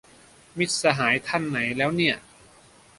มิตรสหายท่านไหนแล้วเนี่ย